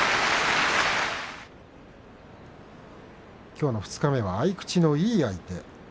きょうの二日目は合い口のいい相手。